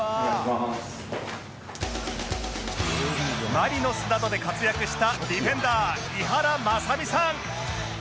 マリノスなどで活躍したディフェンダー井原正巳さん